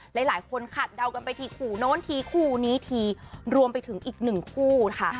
หลายคนขัดเดากันไปทีคู่โน้นทีคู่นี้ทีรวมไปถึงอีกหนึ่งคู่ค่ะ